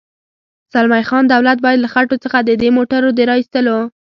زلمی خان: دولت باید له خټو څخه د دې موټرو د را اېستلو.